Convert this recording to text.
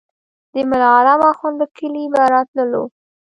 د ملا عالم اخند له کلي به راتللو.